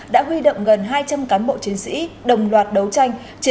đã huy động gần hai trăm linh cán bộ chiến sĩ đồng loạt đấu tranh